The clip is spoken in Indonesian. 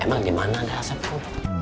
emang di mana ada asap bu